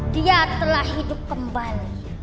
dia telah hidup kembali